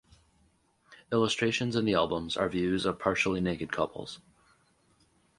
Illustrations in the albums are views of partially naked couples.